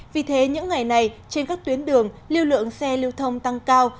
vì thế những ngày này trên các tuyến đường lưu lượng xe lưu thông tăng cao